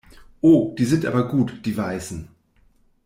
Oh, die sind aber gut, die Weißen!